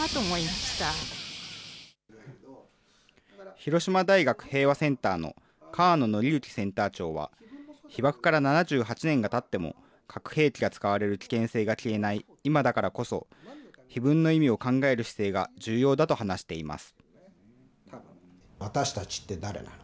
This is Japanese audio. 広島大学平和センターの川野徳幸センター長は、被爆から７８年がたっても、核兵器が使われる危険性が消えない今だからこそ、碑文の意味を考える姿勢が重要だと話しています。